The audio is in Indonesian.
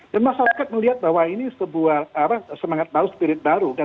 dan masyarakat melihat bahwa ini sebuah semangat baru spirit baru